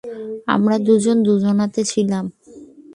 আমরা দুজন দুজনাতে ছিলাম।